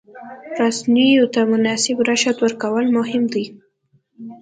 رسنیو ته مناسب رشد ورکول مهم دي.